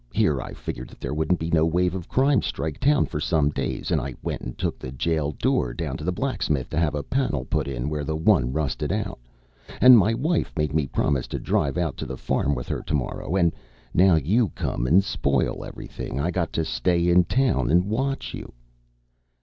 Here I figgered that there wouldn't be no wave of crime strike town for some days, and I went and took the jail door down to the blacksmith to have a panel put in where the one rusted out, and my wife made me promise to drive out to the farm with her to morrow, and now you come and spoil everything. I got to stay in town and watch you.'